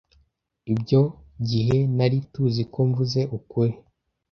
Ibyo gihe nari tuziko mvuze ukuri.